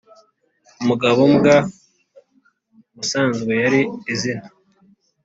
umugabo mbwa ubusanzwe yari izina